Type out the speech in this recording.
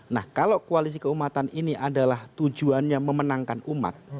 nah kalau koalisi keumatan ini adalah tujuannya memenangkan umat